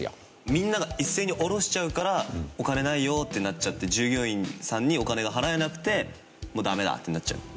みんなが一斉におろしちゃうからお金ないよってなっちゃって従業員さんにお金が払えなくてもうダメだってなっちゃう。